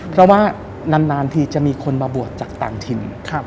เพราะว่านานทีจะมีคนมาบวชจากต่างถิ่น